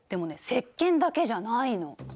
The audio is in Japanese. せっけんだけじゃないの。